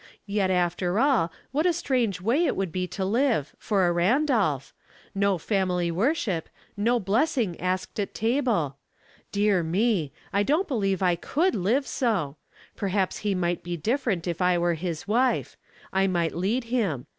Yet, after all, what a strange way it would be to live — for a Randolph; no family worship, no blessing asked at table. Dear me I 144. Household Puzzles. I don't believe I could live so. Perhaps he might be different if I were his wife. I might lead him.